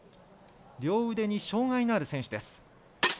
両腕に障がいのある選手です。